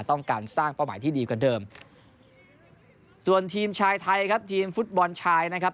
ต้องการสร้างเป้าหมายที่ดีกว่าเดิมส่วนทีมชายไทยครับทีมฟุตบอลชายนะครับ